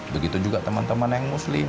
begitu juga teman teman yang muslim